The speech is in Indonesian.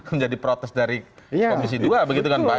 menjadi protes dari komisi dua begitu kan pak